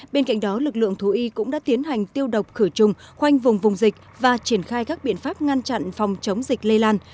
bên cạnh đó lực lượng thú y cũng đã tiến hành tiêu độc khử trùng khoanh vùng vùng dịch và triển khai các biện pháp ngăn chặn phòng chống dịch lây lan